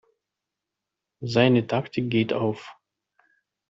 Seine Taktik geht auf.